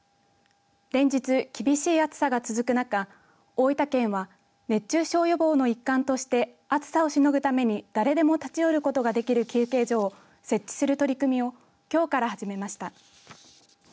連日、厳しい暑さが続く中大分県は熱中症予防の一環として暑さをしのぐために誰でも立ち寄ることができる休憩所を設置する取り組みをきょうから始めました。